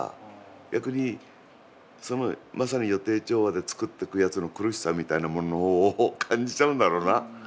逆にまさに予定調和で作ってくやつの苦しさみたいなものを感じちゃうんだろうな。